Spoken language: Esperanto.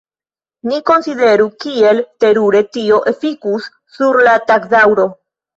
Ni konsideru kiel terure tio efikus sur la tagdaŭro.